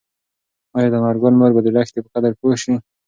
ایا د انارګل مور به د لښتې په قدر پوه شي؟